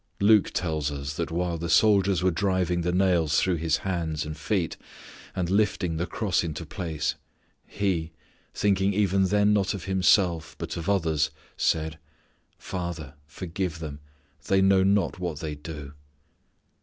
Luke tells us that while the soldiers were driving the nails through His hands and feet and lifting the cross into place, He, thinking even then not of self, but of others, said, "Father, forgive them, they know not what they do."